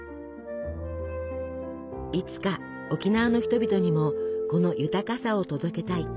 いつか沖縄の人々にもこの豊かさを届けたい。